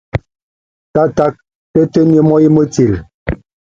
A ná muendu huelinie, a nálom bá na weya oŋómikékehúlenin a bá.